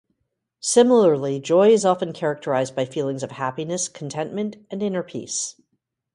Similarly, joy is often characterized by feelings of happiness, contentment, and inner peace.